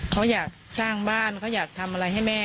เขาอยากสร้างบ้านเขาอยากทำอะไรให้แม่